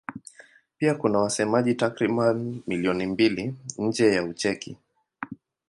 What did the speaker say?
Pia kuna wasemaji takriban milioni mbili nje ya Ucheki.